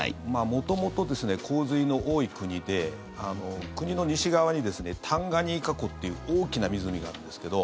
元々、洪水の多い国で国の西側にタンガニーカ湖という大きな湖があるんですけど。